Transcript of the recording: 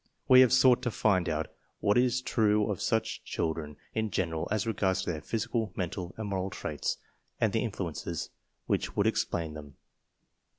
We have sought to find out what is true of such children in general, as regards their physical, mental, and moral traits and the in fluences which would explain them.